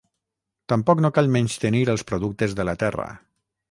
Tampoc no cal menystenir els productes de la terra